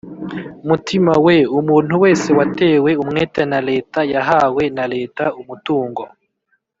mutima we umuntu wese watewe umwete na Leta yahawe na Leta umutungo